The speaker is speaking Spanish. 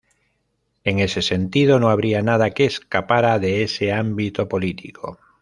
En ese sentido, no habría nada que escapara de ese ámbito político.